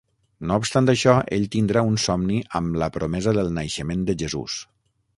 No obstant això, ell tindrà un somni amb la promesa del naixement de Jesús.